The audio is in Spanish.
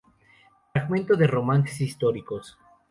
Fragmento de Romances históricos.